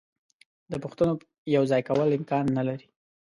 د پښتونو یو ځای کول امکان نه لري.